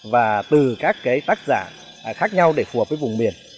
và từ các tác giả khác nhau để phù hợp với vùng miền